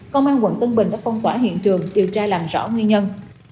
công an quận tân bình đã phong tỏa hiện trường điều tra làm rõ nguyên nhân